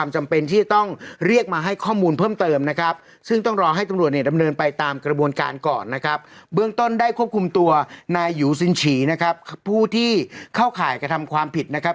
เบื้องต้นได้ควบคุมตัวนายหยูซินฉีนะครับผู้ที่เข้าข่ายกระทำความผิดนะครับ